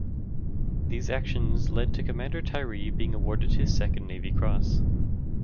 These actions led to Commander Tyree being awarded his second Navy Cross.